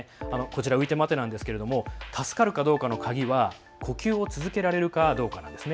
こちら浮いて待てなんですけれども助かるかどうかの鍵は呼吸を続けられるかどうかです。